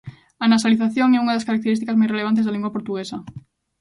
A nasalización é unha das características máis relevantes da lingua portuguesa